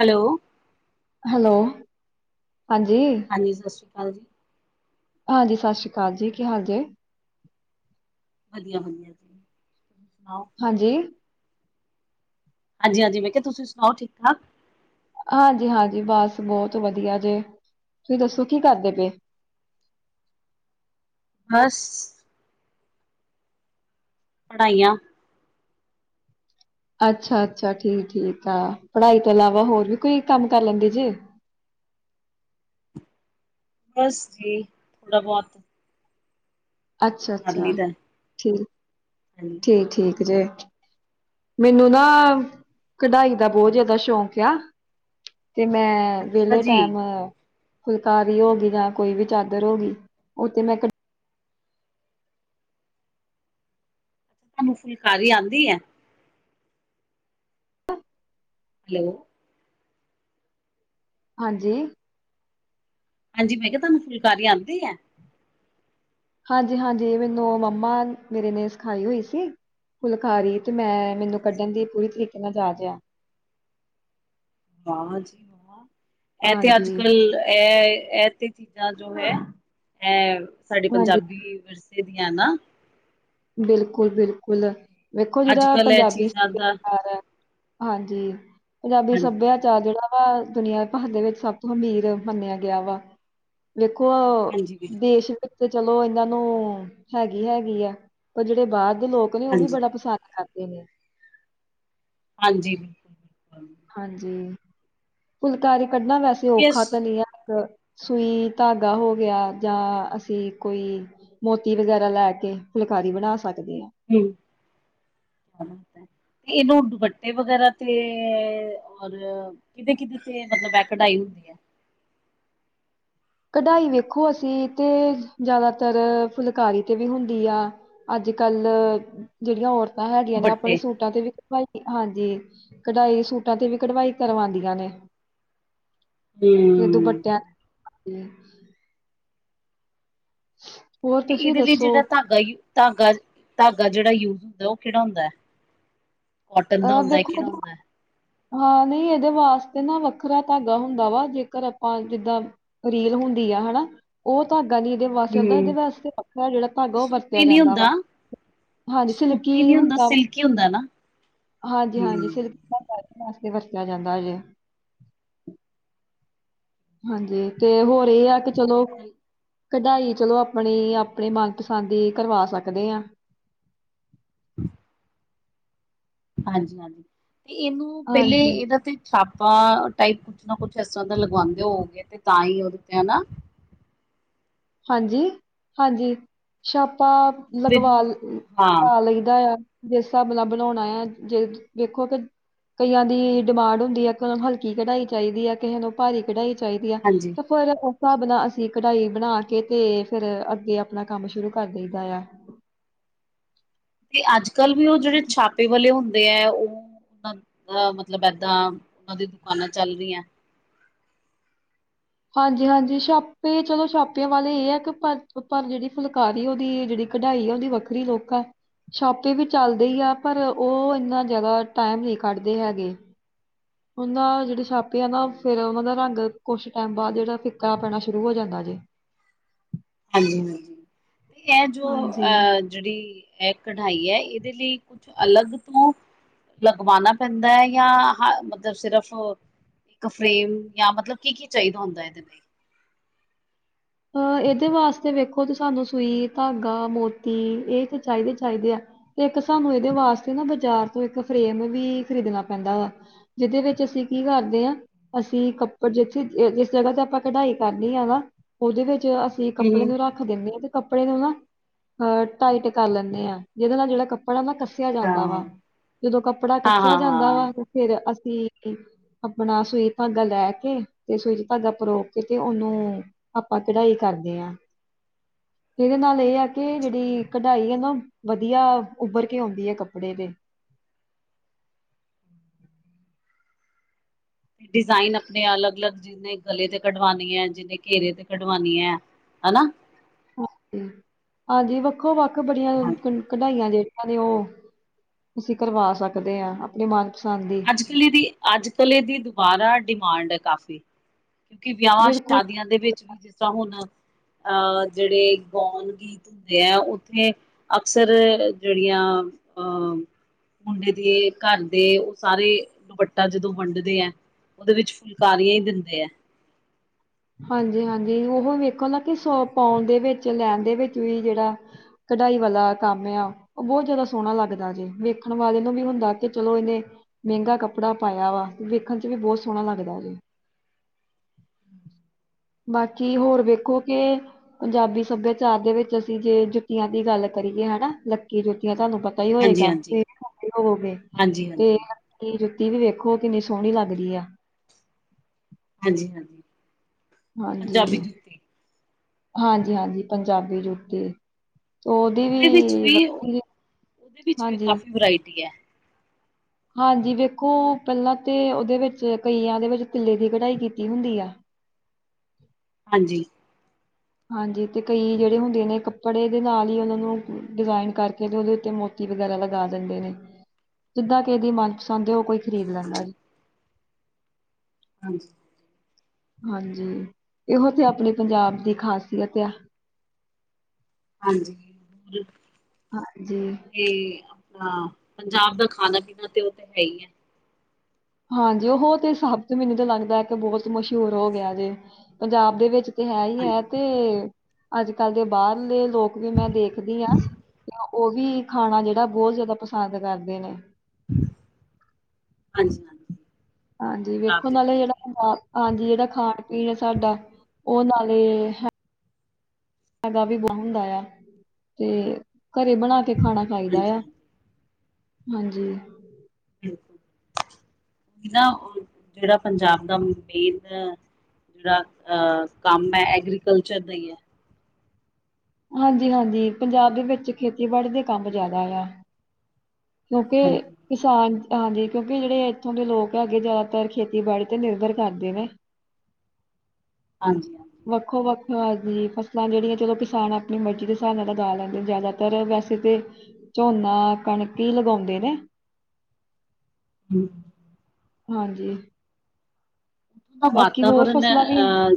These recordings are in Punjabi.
ਹੈਲੋ। ਹੈਲੋ, ਹਾਂਜੀ। ਹਾਂਜੀ, ਸਤਿ ਸ਼੍ਰੀ ਅਕਾਲ ਜੀ। ਹਾਂਜੀ, ਸਤ ਸ੍ਰੀ ਅਕਾਲ ਜੀ। ਕੀ ਹਾਲ ਜੇ? ਵਧੀਆ-ਵਧੀਆ, ਜੀ ਤੁਸੀਂ ਸੁਣਾਓ? ਹਾਂਜੀ? ਹਾਂਜੀ-ਹਾਂਜੀ ਮੈਂ ਕਿਹਾ ਤੁਸੀਂ ਸੁਣਾ ਠੀਕ ਠਾਕ? ਹਾਂਜੀ-ਹਾਂਜੀ, ਬਸ ਬਹੁਤ ਵਧੀਆ ਜੇ, ਤੁਸੀਂ ਦੱਸੋ ਕੀ ਕਰਦੇ ਪਏ? ਬਸ। ਪੜ੍ਹਾਈਆਂ ਅੱਛਾ-ਅੱਛਾ, ਠੀਕ -ਠੀਕ ਆ, ਪੜ੍ਹਾਈ ਤੋਂ ਇਲਾਵਾ ਹੋਰ ਵੀ, ਕੋਈ ਕੰਮ ਕਰ ਲੈਂਦੀ ਜੇ? ਬਸ ਜੀ, ਥੋੜਾ ਬਹੁਤ ਕਰ ਅੱਛਾ-ਅੱਛਾ, ਲਈਦਾ, ਠੀਕ, ਹਾਂਜੀ। ਠੀਕ-ਠੀਕ ਜੇ ਮੈਨੂੰ ਨਾ, ਕਢਾਈ ਦਾ ਬਹੁਤ ਜ਼ਿਆਦਾ ਸ਼ੌਕ ਆ ਤੇ ਮੈਂ, ਅੱਛਾ ਵਿਹਲੇ ਜੀ, ਟਾਈਮ ਫੁਲਕਾਰੀ ਹੋ ਗਈ, ਜਾਂ ਕੋਈ ਵੀ ਚਾਦਰ ਹੋ ਗਈ, ਉਹ ਤੇ ਮੈਂ ਤੁਹਾਨੂੰ, ਫੁਲਕਾਰੀ ਆਦੀ ਐ ਹੈਲੋ। ਹਾਂਜੀ। ਹਾਂਜੀ, ਮੈਂ ਕਿਹਾ, ਤੁਹਾਨੂੰ ਫੁਲਕਾਰੀ ਆਉਂਦੀ ਐ? ਹਾਂਜੀ-ਹਾਂਜੀ, ਮੈਨੂੰ ਮੰਮਾ ਮੇਰੀ ਨੇ ਸਿਖਾਈ ਹੋਈ ਸੀ, ਫੁਲਕਾਰੀ ਤੇ ਮੈਂ ਮੈਨੂੰ ਕੱਢਣ ਦੀ, ਪੂਰੀ ਤਰੀਕੇ ਨਾਲ ਜਾਚ ਆ ਬਾਵਾਂ ਚ, ਏ ਤੇ ਹਾਂਜੀ, ਅੱਜ- ਕੱਲ ਐ, ਐਹ ਤੇ ਚੀਜ਼ਾਂ ਜੋ ਹੈ, ਇਹ ਸਾਡੇ ਹਾਂਜੀ ਪੰਜਾਬੀ ਏ ਦੀਆਂ ਨਾ ਬਿਲਕੁਲ-ਬਿਲਕੁਲ ਵੇਖੋ, ਜਿਹੜਾ ਅੱਜ-ਕੱਲ ਇਹ ਪੰਜਾਬੀ ਚੀਜ਼ਾਂ ਦਾ, ਤਿਉਹਾਰ ਹੈ। ਹਾਂਜੀ, ਪੰਜਾਬੀ ਸੱਭਿਆ ਹਾਂਜੀ, ਜੱਜ ਜਿਹੜਾ ਵਾ, ਦੁਨੀਆਂ ਦੇ ਵਿੱਚ, ਸਭ ਤੋਂ ਅਮੀਰ ਮੰਨਿਆ ਗਿਆ ਵਾ ਵੇਖੋ ਹਾਂਜੀ ਬਿਲਕੁਲ। ਦੇਸ਼ ਵਿੱਚ ਚਲੋ, ਇਹਨਾਂ ਨੂੰ ਹੈਗੀ-ਹੈਗੀ ਆ ਪਰ, ਜਿਹੜੇ ਬਾਹਰ ਦੇ ਲੋਕ ਨੇ, ਉਹ ਵੀ ਹਾਂਜੀ। ਬੜਾ ਪਸੰਦ ਕਰਦੇ ਨੇ ਹਾਂਜੀ। ਬਿਲਕੁਲ ਹਾਂਜੀ, ਫੁਲਕਾਰੀ ਕੱਢਣਾ ਵੈਸੇ ਕਿਉਂਕਿ ਇਸ ਔਖਾ ਤਾਂ ਨਹੀਂ ਆ ਸੂਈ, ਧਾਗਾ ਹੋ ਗਿਆ ਜਾਂ ਅਸੀਂ ਕੋਈ ਮੋਤੀ ਵਗੈਰਾ ਲੈ ਕੇ, ਫੁਲਕਾਰੀ ਬਣਾ ਸਕਦੇ ਆ ਹਮ ਕ ਬਤ ਹੈ। [inaudible] ਇਹ ਨੂੰ, ਦੁਪੱਟੇ ਵਗ਼ੈਰਾ ਤੇ ਹੋਰ ਕਿਦੇ -ਕਿਦੇ ਤੇ ਮਤਲਬ, ਇਹ ਕੜ੍ਹਾਈ ਹੁੰਦੀ ਏ ਕਢਾਈ ਵੇਖੋ, ਅਸੀਂ ਤੇ ਜ਼ਿਆਦਾ ਤਰ ਫੁਲਕਾਰੀ ਤੇ, ਵੀ ਹੁੰਦੀ ਆ ਅੱਜ -ਕੱਲ ਜਿਹੜੀਆਂ ਔਰਤਾਂ ਹੈਗੀਆ ਨੇ, ਦੁਪੱਟੇ ਆਪਣੇ ਸੂਟਾਂ ਤੇ ਵੀ ਹਾਂਜੀ, ਕਢਾਈ ਸੂਟਾਂ ਤੇ ਵੀ ਕਢਵਾਈ ਕਰਵਾਦੀਆ ਨੇ, ਤੇ ਹੂੰ ਦੁਪੱਟਿਆ ਤੇ ਹੋਰ ਤੇ, ਤੁਸੀਂ ਇਹਦੇ ਲਈ ਦੱਸੋ ਜਿਹੜਾ ਧਾਗਾ, ਧਾਗਾ -ਧਾਗਾ ਜਿਹੜਾ ਯੂਜ ਹੁੰਦਾ, ਉਹ ਕਿਹੜਾ ਹੁੰਦਾ ਕੋਟਨ ਦਾ ਆਹ ਹੁੰਦਾ ਹੈ ਵੇਖੋ ਕਿਹੜਾ ਹੁੰਦਾ ਹੈ ਹਾਂ, ਨਹੀਂ ਇਹਦੇ ਵਾਸਤੇ ਨਾ, ਵੱਖਰਾ ਧਾਗਾ ਹੁੰਦਾ ਵਾ, ਜੇਕਰ ਆਪਾਂ ਜਿੱਦਾ ਰੀਲ, ਹੁੰਦੀ ਆ ਹਨਾਂ ਉਹ ਧਾਗਾ ਨੀ ਇਹਦੇ ਵਾਸਤੇ ਆਉਂਦਾ ਹੂੰ ਇਹਦੇ ਵਾਸਤੇ ਵੱਖਰਾ ਜਿਹੜਾ ਮਤਲਬ ਧਾਗਾ ਉਹ ਵਰਤਿਆ ਸੂਤੀ ਨੀ ਜਾਂਦਾ ਹੁੰਦਾ ਵਾ। ਹਾਂਜੀ ਸਿਲਕੀ ਹੁੰਦਾ ਵ ਕਿ ਹੁੰਦਾ ਨਾ। ਹਾਂਜੀ-ਹਾਂਜੀ ਹੂੰ ਸਿਲਕ ਦਾ [unintelligible] ਵਰਤਿਆ ਜਾਂਦਾ ਜੇ। ਹਾਂਜੀ ਤੇ ਹੋਰ ਇਹ ਆ ਕਿ ਚਲੋ ਕਢਾਈ ਚਲੋ ਆਪਣੀ ਆਪਣੇ ਮਨਪਸੰਦ ਦੀ ਕਰਵਾ ਸਕਦੇ ਹਾਂ। ਹਾਂਜੀ-ਹਾਂਜੀ ਤੇ ਇਹਨੂੰ ਪਹਿਲੇ ਹਾਂਜੀ ਇਹਦਾ ਤੇ ਛਾਪਾ ਟਾਇਪ ਕੁਝ ਨਾ ਕੁਝ ਇਸ ਤਰ੍ਹਾਂ ਦੇ ਲਗਵਾਉਂਦੇ ਹੋਗੇ ਤੇ ਤਾਂ ਹੀ ਉਹਦੇ ਤੇ ਹਨਾ। ਹਾਂਜੀ-ਹਾਂਜੀ ਛਾਪਾ ਮਤਲਬ ਲਗਵਾ ਇਹਨੂੰ ਹਾਂ ਲਾਈਦਾ ਆ। ਜਿਸ ਹਿਸਾਬ ਨਾਲ ਬਣਾਉਣਾ ਆ ਜੇ ਦੇਖੋ ਕਿ ਕਈਆਂ ਦੀ ਡਿਮਾਂਡ ਹੁੰਦੀ ਆ ਕ ਹਲਕੀ ਕਢਾਈ ਚਾਹੀਦੀ ਹੈ ਕਿਸੇ ਨੂੰ ਭਾਰੀ ਕਢਾਈ ਚਾਹੀਦੀ ਆ ਹਾਂਜੀ ਤੇ ਫਿਰ ਉਸ ਹਿਸਾਬ ਨਾਲ ਅਸੀਂ ਕਢਾਈ ਬਣਾ ਕੇ ਤੇ ਫਿਰ ਅੱਗੇ ਆਪਣਾ ਕੰਮ ਸ਼ੁਰੂ ਕਰ ਦੇਇਦਾ ਆ। ਤੇ ਅੱਜ ਕੱਲ੍ਹ ਵੀ ਉਹ ਜਿਹੜੇ ਛਾਪੇ ਵਾਲੇ ਹੁੰਦੇ ਤੇ ਇਹ ਉਹ ਉਹਨਾਂ ਦਾ ਮਤਲਬ ਇਹਦਾ ਉਹਨਾਂ ਦੀਆ ਦੁਕਾਨਾ ਚੱਲ ਰਹੀਆ। ਹਾਂਜੀ-ਹਾਂਜੀ ਛਾਪੇ ਚਲੋ ਛਾਪਿਆਂ ਵਾਲੇ ਇਹ ਹੈ ਕਿ ਪਰ-ਪਰ ਜਿਹੜੀ ਫੁਲਕਾਰੀ ਉਹਦੀ ਜਿਹੜੀ ਕਢਾਈ ਹੈ ਉਹਦੀ ਵੱਖਰੀ ਲੁਕ ਆ। ਛਾਪੇ ਵੀ ਚੱਲਦੇ ਹੀ ਆ ਪਰ ਉਹ ਇੰਨਾ ਜਾਦਾ ਟਾਇਮ ਨਹੀਂ ਕੱਢਦੇ ਹੈਗੇ। ਉਹ ਨਾ ਜਿਹੜੇ ਛਾਪੇ ਆ ਨਾ ਹਾਂਜੀ ਫੇਰ ਉਹਨਾਂ ਦਾ ਰੰਗ ਕੁਛ ਟੈਮ ਬਾਅਦ ਜਿਹੜਾ ਫਿੱਕਾ ਪੈਣਾ ਸ਼ੁਰੂ ਹੋ ਜਾਂਦਾ ਜੇ। ਹਾਂਜੀ-ਹਾਂਜੀ ਤੇ ਇਹ ਜੋ ਹਾਂਜੀ ਅਹ ਜਿਹੜੀ ਇਹ ਕਢਾਈ ਹੈ ਇਹਦੇ ਲਈ ਕੁਛ ਅਲੱਗ ਤੋਂ ਲਗਵਾਉਣਾ ਪੈਂਦਾ ਹੈ ਜਾਂ ਹ ਮਤਲਬ ਸਿਰਫ ਕ ਫਰੇਮ ਜਾਂ ਮਤਲਬ ਕੀ-ਕੀ ਚਾਹੀਦਾ ਹੁੰਦਾ ਇਹਦੇ ਤੇ। ਅ ਇਹਦੇ ਵਾਸਤੇ ਵੇਖੋ ਤੇ ਸਾਨੂੰ ਸੂਈ, ਧਾਗਾ, ਮੋਤੀ ਇਹ ਤੇ ਚਾਹੀਦੇ ਹੀ ਚਾਹੀਦੇ ਆ। ਇੱਕ ਸਾਨੂੰ ਇਹਦੇ ਵਾਸਤੇ ਨਾ ਬਾਜ਼ਾਰ ਤੋਂ ਇੱਕ ਫਰੇਮ ਵੀ ਖਰੀਦਣਾ ਪੈਂਦਾ ਵਾ। ਜਿਦੇ ਵਿੱਚ ਅਸੀਂ ਕੀ ਕਰਦੇ ਹਾਂ ਅਸੀਂ ਕੱਪੜ ਜਿੱਥੇ ਜਿਸ ਜਗ੍ਹਾ ਤੇ ਆਪਾਂ ਕਢਾਈ ਕਰਨੀ ਆ ਨਾ ਉਹਦੇ ਵਿੱਚ ਅਸੀਂ ਕੱਪੜੇ ਹਮ ਨੂੰ ਰੱਖ ਖ ਦਿੰਨੇ ਆ ਤੇ ਕੱਪੜੇ ਨੂੰ ਨਾ ਅਹ ਟਾਈਟ ਕਰ ਲੈਂਦੇ ਆ ਜਿਹਦੇ ਨਾਲ ਜਿਹੜਾ ਕੱਪੜਾ ਨਾ ਕ ਸਿਆ ਜਾਂਦਾ ਹਾਂ ਵਾ ਜਦੋਂ ਕੱਪੜਾ ਕੱਸਿਆ ਹਾਂ ਜਾਂਦਾ ਹਾਂ ਵਾ ਤੇ ਫੇਰ ਅਸੀਂ ਆਪਣਾ ਸੂਈ, ਧਾਗਾ ਲੈ ਕੇ ਤੇ ਸੂਈ ਚ ਧਾਗਾ ਪਰੋ ਕੇ ਤੇ ਉਹਨੂੰ ਆਪਾਂ ਕਢਾਈ ਕਰਦੇ ਹਾਂ ਇਹਦੇ ਨਾਲ ਇਹ ਆ ਕਿ ਜਿਹੜੀ ਕਢਾਈ ਆ ਨਾ ਵਧੀਆ ਉਭਰ ਕੇ ਆਉਂਦੀ ਹੈ ਕੱਪੜੇ ਦੇ। ਡਿਜ਼ਾਇਨ ਆਪਣੇ ਅਲੱਗ-ਅਲੱਗ ਜਿਨੇ ਗਲੇ ਤੇ ਕਢਵਉਣੀ ਹੈ, ਜਿੰਨੇ ਘੇਰੇ ਤੇ ਕਢਵਉਣੀ ਹੈ ਹਨਾ। ਹ ਹਾਂਜੀ ਵੱਖੋ ਵੱਖ ਬੜੀਆਂ ਕਢਾਈਆਂ ਜਿਹੜੀਆਂ ਨੇ ਉਹ ਅਸੀਂ ਕਰਵਾ ਸਕਦੇ ਹਾਂ ਆਪਣੇ ਮਨਪਸੰਦ ਦੀ। ਦੀ ਅੱਜ ਕੱਲ ਦੀ ਦੁਬਾਰਾ ਡਿਮਾਂਡ ਹੈ ਕਾਫ਼ੀ। ਕਿਉਂਕਿ ਵਿਆਵਾਂ ਬਿਲਕੁਲ ਸ਼ਾਦੀਆਂ ਦੇ ਵਿੱਚ ਵੀ ਜਿਸ ਤਰ੍ਹਾਂ ਹੁਣ ਅਹ ਜਿਹੜੇ ਗਾਉਣ ਗੀ ਹੁੰਦੇ ਹੈ, ਉੱਥੇ ਅਕਸਰ ਜਿਹੜੀਆਂ ਅਹ ਮੁੰਡੇ ਦੀ ਘਰ ਦੇ ਸਾਰੇ ਦੁਪੱਟਾ ਜਦੋਂ ਵੰਡਦੇ ਹੈ ਉਹਦੇ ਵਿੱਚ ਫੁਲਕਾਰੀਆਂ ਹੀ ਦਿੰਦੇ ਹੈ‌। ਹਾਂਜੀ-ਹਾਂਜੀ ਉਹ ਵੇਖੋ ਨਾ ਕਿ ਸ ਪਾਉਣ ਦੇ ਵਿੱਚ ਲੈਣ ਦੇ ਵਿੱਚ ਵੀ ਜਿਹੜਾ ਕਢਾਈ ਵਾਲਾ ਕੰਮ ਆ। ਉਹ ਬਹੁਤ ਜਾਦਾ ਸੋਹਣਾ ਲੱਗਦਾ ਜੇ, ਵੇਖਣ ਵਾਲੇ ਨੂੰ ਵੀ ਹੁੰਦਾ ਤੇ ਚਲੋ ਇਹਨੇ ਮੈਂਗਾ ਕੱਪੜਾ ਪਾਇਆ ਵਾ, ਵੇਖਣ ਚ ਵੀ ਬੋਤ ਸੋਨਾ ਲੱਗਦਾ ਜੇ। [unintelligible] ਬਾਕੀ ਹੋਰ ਵੇਖੋ ਕਿ ਪੰਜਾਬੀ ਸੱਭਿਆਚਾਰ ਦੇ ਵਿੱਚ ਅਸੀਂ ਜੇ ਜੁੱਤੀਆਂ ਦੀ ਗੱਲ ਕਰੀਏ ਹਨਾ, ਲੱਕੀ ਜੁੱਤੀਆਂ ਤੁਆਨੂੰ ਪਤਾ ਏਹੀ ਹਾਂਜੀ ਹੋਏਗਾ ਹਾਂਜੀ ਤੁਸੀਂ [inaudible] ਹੋਵੋਗੇ ਹਾਂਜੀ ਤੇ ਹਾਂਜੀ ਏ ਜੁੱਤੀ ਵੀ ਵੇਖੋ ਕਿੰਨੀ ਸੋਹਣੀ ਲੱਗਦੀ ਆ। ਹਾਂਜੀ-ਹਾਂਜੀ। ਹਾਂਜੀ, ਹਾਂਜੀ, ਹਾਂਜੀ ਪੰਜਾਬੀ ਜੁੱਤੀ ਓਦੀ ਓਦੇ ਵਿੱਚ ਵੀ ਓਦੇ ਵਿੱਚ ਵੀ ਹਾਂਜੀ, ਕਾਫੀ ਵੀਰਾਇਟੀ ਐ। ਹਾਂਜੀ ਵੇਖੋ, ਪੈਲਾਂ ਤੇ ਓਦੇ ਵਿੱਚ ਕਈਆਂ ਦੇ ਵਿੱਚ ਤਿੱਲੇ ਦੀ ਕਢਾਈ ਕੀਤੀ ਹੁੰਦੀ ਆ। ਹਾਂਜੀ। ਹਾਂਜੀ, ਤੇ ਕਈ ਜੇੜੇ ਹੁੰਦੇ ਨੇ ਕੱਪੜੇ ਦੇ ਨਾਲ ਈ ਓਨਾਂ ਨੂੰ ਡਿਜ਼ਾਇਨ ਕਰਕੇ ਤੇ ਓਦੇ ਉੱਤੇ ਵਗੈਰਾ ਲਗਾ ਦਿੰਦੇ ਨੇ, ਜਿੱਦਾਂ ਕਿਸੇ ਦੀ ਮਨਪਸੰਦ ਏ ਓ ਕੋਈ ਖਰੀਦ ਲੈਂਦਾ ਹਾਂ ਜੇ। ਹਾਂਜੀ। ਹਾਂਜੀ, ਏਹੋ ਤੇ ਆਪਣੇ ਪੰਜਾਬ ਦੀ ਖ਼ਾਸੀਅਤ ਆ। ਹਾਂਜੀ। ਹਾਂਜੀ। ਤੇ ਆਪਣਾ ਪੰਜਾਬ ਦਾ ਖਾਣਾ-ਪੀਣਾ ਤੇ ਓ ਤੇ ਹੈ ਈ ਐ। ਹਾਂਜੀ, ਉਹੋ ਤੇ ਸਭ ਤੇ ਮੈਨੂੰ ਤਾਂ ਲੱਗਦਾ ਕਿ ਬਹੋਤ ਮਸ਼ਹੂਰ ਹੋ ਗਿਆ ਜੇ ਪੰਜਾਬ ਦੇ ਵਿੱਚ ਤੇ ਹੈ ਈ ਐ ਹਾਂਜੀ ਤੇ ਅੱਜਕੱਲ੍ਹ ਦੇ ਬਾਰਲੇ ਲੋਕ ਵੀ ਮੈਂ ਦੇਖਦੀ ਆ ਓ ਵੀ ਖਾਣਾ ਜੇੜਾ ਬੋ ਜ਼ਿਆਦਾ ਪਸੰਦ ਕਰਦੇ ਨੇ। ਹਾਂਜੀ-ਹਾਂਜੀ। ਹਾਂਜੀ, ਵੇਖੋ ਨਾਲੇ ਜੇੜਾ ਹਾਂਜੀ ਜੇੜਾ ਖਾਣ-ਪੀਣ ਆ ਸਾਡਾ ਓ ਨਾਲੇ ਹੈਗਾ ਵੀ ਬਹੁ ਹੁੰਦਾ ਆ, ਤੇ ਘਰੇ ਬਣਾ ਕੇ ਖਾਣਾ ਖਾਈਦਾ ਹਾਂਜੀ ਐ ਹਾਂਜੀ ਹਾਂਜੀ। ਓ ਨਾ ਜੇੜਾ ਪੰਜਾਬ ਦਾ ਵੇਦ ਜੇੜਾ ਕੰਮ ਐ, ਐਗਰੀਕਲਚਰ ਦਾ ਈ ਆ। ਹਾਂਜੀ-ਹਾਂਜੀ ਪੰਜਾਬ ਦੇ ਵਿੱਚ ਖੇਤੀਬਾੜੀ ਦੇ ਕੰਮ ਜ਼ਿਆਦਾ ਆ! ਕਿਉਂਕਿ ਹਾਂਜੀ ਕਿਸਾਨ ਹਾਂਜੀ ਕਿਉਂਕਿ ਜੇੜੇ ਐਥੋਂ ਦੇ ਲੋਕ ਹੈਗੇ ਜ਼ਿਆਦਾਤਰ ਖੇਤੀਬਾੜੀ ਤੇ ਨਿਰਵਰ ਕਰਦੇ ਨੇ। ਹਾਂਜੀ-ਹਾਂਜੀ। ਵੱਖੋ-ਵੱਖ ਹਾਜੀ ਫਸਲਾਂ ਜੇੜੀਆਂ ਚਲੋ ਕਿਸਾਨ ਆਪਣੀ ਮਰਜ਼ੀ ਦੇ ਹਿਸਾਬ ਨਿ ਲਗਾ ਲੈਂਦੇ ਨੇ ਜ਼ਿਆਦਾ। ਤਰ ਵੈਸੇ ਤੇ ਝੋਨਾ, ਕਣਕ ਈ ਲਗਾਉਂਦੇ ਨੇ। ਹੂੰ। ਹਾਂਜੀ। ਉੱਥੋਂ ਬਾਕੀ ਹੋਰ ਵਾਤਾਵਰਨ ਫਸਲਾਂ ਵੀ ਅਹ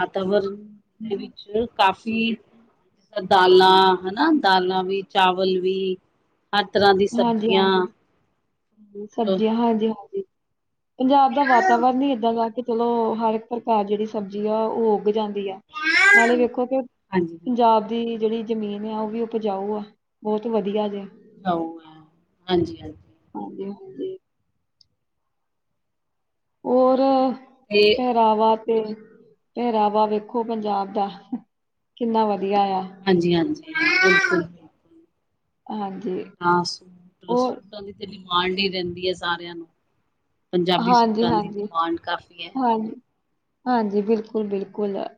ਵਤਾਵਰਨ ਦੇ ਵਿੱਚ ਕਾਫ਼ੀ ਦਾਲਾਂ, ਹਨਾ ਦਾਲਾਂ ਵੀ ਚਾਵਲ ਵੀ ਹਰ ਤਰ੍ਹਾਂ ਦੀ ਹਾਂਜੀ ਸਬਜ਼ੀਆਂ ਹਾਂਜੀ ਫਰੂਟ ਸਬਜ਼ੀਆਂ ਹਾਂਜੀ-ਹਾਂਜੀ। ਪੰਜਾਬ ਦਾ ਵਾਤਾਵਰਨ ਈ ਏਦਾਂ ਦਾ ਕਿ ਚਲੋ ਹਰ ਇੱਕ ਪ੍ਰਕਾਰ ਜੇੜੀ ਸਬਜ਼ੀ ਆ ਓ ਉੱਗ ਜਾਂਦੀ ਆ। ਹਾਂਜੀ ਨਾਲੇ ਵੇਖੋ ਕਿ ਹਾਂਜੀ ਪੰਜਾਬ ਦੀ ਜੇਹੜੀ ਜ਼ਮੀਨ ਆ ਓ ਵੀ ਉਪਜਾਊ ਆ, ਬੋਤ ਵਧੀਆਂ ਜੇ। [unintelligible] ਹਾਂਜੀ। ਹਾਂਜੀ ਔਰ ਤੇਂ ਪਹਿਰਾਵਾ ਤੇ ਪਹਿਰਾਵਾ ਵੇਖੋ ਪੰਜਾਬ ਦਾ ਕਿੰਨਾ ਵਧੀਆ ਆ। ਹਾਂਜੀ- ਹਾਂਜੀ ਬਿਲਕੁਲ ਹਾਂਜੀ। ਟਾ ਉਹ ਸੂਟਾਂ ਦੀ ਤੇ ਡਿਮਾਂਡ ਹੀ ਰੈਂਦੀ ਐ ਸਾਰਿਆਂ ਨੂੰ ਪੰਜਾਬੀ ਸੂਟਾਂ ਦੀ ਹਾਂਜੀ-ਹਾਂਜੀ, ਡਿਮਾਂਡ ਕਾਫੀ ਏ। ਹਾਂਜੀ, ਹਾਂਜੀ ਬਿਲਕੁਲ-ਬਿਲਕੁਲ ਆ।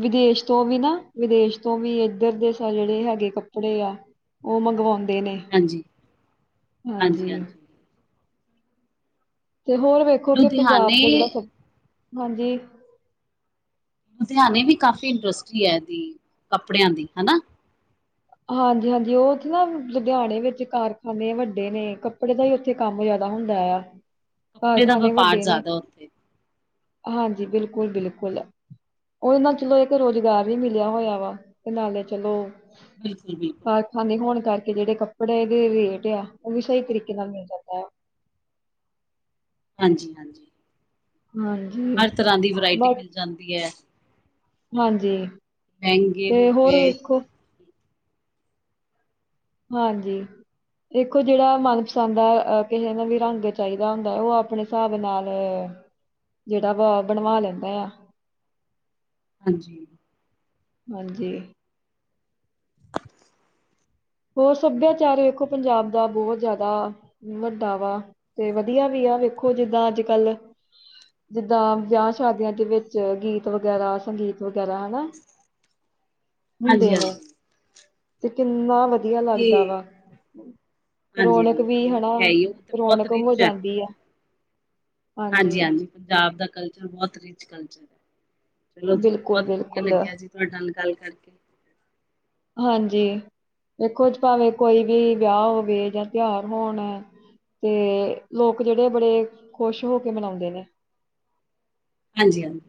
ਵਿਦੇਸ਼ ਤੋਂ ਵੀ ਨਾ ਵਿਦੇਸ਼ ਤੋਂ ਵੀ ਇਧਰ ਦੇ ਸਾਰੇ ਹੈਗੇ ਕੱਪੜੇ ਆ। ਓ ਮੰਗਵਾਉਂਦੇ ਨੇ। ਹਾਂਜੀ। ਹਾਂਜੀ-ਹਾਂਜੀ-ਹਾਂਜੀ ਤੇ ਹੋਰ ਵੇਖੋ ਕਿ ਪੰਜਾਬ ਲੁਧਿਆਣੇ ਦੇ ਜੇੜਾ ਹਾਂਜੀ। ਲੁਧਿਆਨੇ ਵੀ ਕਾਫ਼ੀ ਇੰਡਸਟਰੀ ਏ ਦੀ ਕੱਪੜਿਆਂ ਦੀ ਹਨਾ। ਹਾਂਜੀ-ਹਾਂਜੀ ਉਥੇ ਨਾ ਲੁਧਿਆਣੇ ਵਿੱਚ ਕਾਰਖਾਨੇ ਵੱਡੇ ਨੇ ਕਪ ਕੱਪੜੇ ਦਾ ਈ ਉੱਥੇ ਕੰਮ ਜਾਦਾ ਹੁੰਦਾ ਯਾ। ਕੱਪੜੇ ਦਾ ਵਪਾਰ ਜਾਦਾ ਉ ਹਾਂਜੀ ਬਿਲਕੁਲ-ਬਿਲਕੁਲ ਉਹਦੇ ਨਾਲ ਚਲੋ ਏਕ ਰੋਜ਼ਗਾਰ ਵੀ ਮਿਲਿਆ ਹੋਇਆ ਵਾ ਤੇ ਨਾਲੇ ਚਲੋ ਬਿਲਕੁਲ-ਬਿ ਕਾਰਖਾਂਨੇ ਹੋਣ ਕਰਕੇ ਜੇੜੇ ਕੱਪੜੇ ਦੇ ਰੇਟ ਆ ਓ ਸਈ ਤਰੀਕੇ ਨਾਲ ਮਿਲ ਜਾਂਦਾ ਆ। ਹਾਂਜੀ-ਹਾਂਜੀ ਹਾਂ ਹਰ ਤਰ੍ਹਾਂ ਦੀ ਵਰਾਇਟੀ ਮਿਲ ਜਾਂਦੀ ਐ। ਹਾਂਜੀ ਲਹਿੰਗੇ ਹੋ ਤੇ ਹੋਰ ਗਏ ਵੇਖੋ ਹਾਂਜੀ ਦੇਖੋ ਜੇੜਾ ਮਨਪਸੰਦ ਆ ਕਿਸੇ ਨੂੰ ਵੀ ਰੰਗ ਚਾਹੀਦਾ ਹੁੰਦਾ ਓ ਆਪਨੇ ਹਿਸਾਬ ਨਾਲ ਜੇੜਾ ਵਾ ਬਣਵਾ ਲੈਂਦਾ ਆ। ਹਾਂਜੀ ਹਾਂਜੀ ਹੋਰ ਸਭਿਆਚਾਰ ਵੇਖੋ ਪੰਜਾਬ ਦਾ ਬੋਤ ਜਾਦਾ ਵੱਡਾ ਵਾ ਤੇ ਵਧੀਆਂ ਵੀ ਆ ਵੇਖੋ ਜਿੱਦਾਂ ਅੱਜ-ਕੱਲ ਜਿੱਦਾਂ ਵਿਆਹ ਸ਼ਾਦੀਆਂ ਦੇ ਵਿੱਚ ਗੀਤ ਵਗੈਰਾ ਸੰਗੀਤ ਵਗੈਰਾ ਹਨਾ ਹਾਂਜੀ ਹੁੰਦੇ ਨੇ ਹਾਂਜੀ ਤੇ ਕਿੰਨਾ ਵਧ ਵਧੀਆਂ ਲੱਗਦਾ ਤੇ ਵਾ। ਹਾਂਜੀ ਰੌਣਕ ਵੀ ਹਾਂਜੀ ਉਹ ਹਨਾ ਤੇ ਹੈ ਹੀ ਉਹ ਤੇ ਬਹੁਤ ਰੌਣਕ ਹੋ ਰਿਚ ਹੈ ਜਾਂਦੀ ਆ। ਹਾਂਜੀ- ਹਾਂਜੀ ਪੰਜਾਬ ਦਾ ਕਲਚਰ ਬੋਤ ਰਿਚ ਕਲਚਰ ਚਲੋ ਜੀ ਬਿਲਕੁਲ ਬੋਤ ਵਧੀਆ ਬਿਲਕੁਲ ਲੱਗਿਆ ਜੀ ਤੁਹਾਡੇ ਨਾਲ ਗੱਲ ਕਰਕੇ ਹਾਂਜੀ ਦੇਖੋ ਭਾਵੇਂ ਕੋਈ ਵੀ ਵਿਆਹ ਹੋਵੇ ਜਾਂ ਤਿਉਹਾਰ ਹੋਣ ਤੇ ਲੋਕ ਜੇੜੇ ਬੜੇ ਖੁਸ਼ ਹੋ ਕੇ ਮਨਾਉਦੇ ਨੇ। ਹਾਂਜੀ-ਹਾਂਜੀ